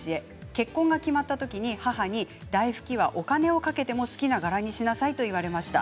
結婚が決まった時に母に台ふきんはお金をかけても好きな柄にしなさいと言われました。